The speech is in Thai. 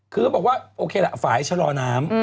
คือเขาบอกว่าโอเคละฝ่ายชะลอน้ำ